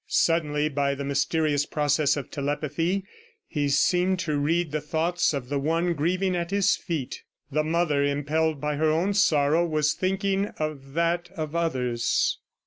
... Suddenly, by the mysterious process of telepathy, he seemed to read the thoughts of the one grieving at his feet. The mother, impelled by her own sorrow, was thinking of that of others.